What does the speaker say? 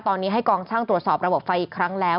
ตอนนี้ให้กองช่างตรวจสอบระบบไฟอีกครั้งแล้ว